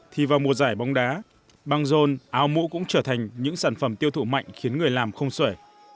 thì vào mùa giải bóng đá băng rôn áo mũ cũng trở thành những sản phẩm tiêu thụ mạnh khiến người làm không sở